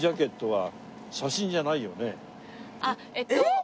あっえっと。